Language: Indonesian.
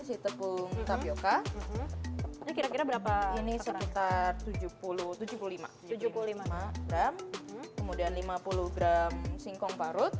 si tepung tapioca kira kira berapa ini sekitar tujuh puluh tujuh puluh lima tujuh puluh lima gram kemudian lima puluh gram singkong parut